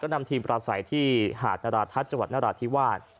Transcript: นำทีมประสัยที่หาดนราทัศน์จังหวัดนราธิวาส